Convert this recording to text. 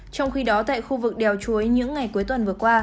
trong khi đó tại khu vực đèo chuối những ngày cuối tuần vừa qua